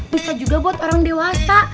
bisa juga buat orang dewasa